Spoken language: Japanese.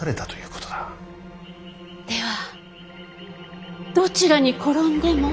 ではどちらに転んでも？